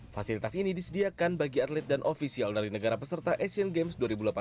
fasilitas ini disediakan bagi atlet dan ofisial dari negara peserta asian games dua ribu delapan belas